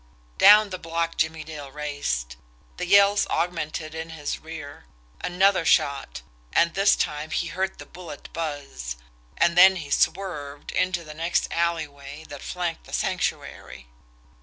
Down the block Jimmie Dale raced. The yells augmented in his rear. Another shot and this time he heard the bullet buzz. And then he swerved into the next alleyway that flanked the Sanctuary.